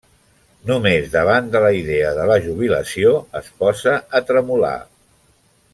Només davant de la idea de la jubilació es posa a tremolar.